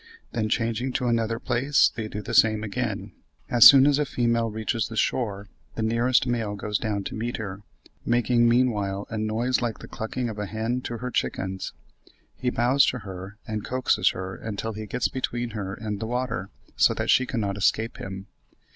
Then changing to another place they do the same again...As soon as a female reaches the shore, the nearest male goes down to meet her, making meanwhile a noise like the clucking of a hen to her chickens. He bows to her and coaxes her until he gets between her and the water so that she cannot escape him.